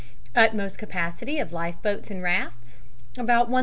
Utmost capacity of life boats and rafts, about 1100.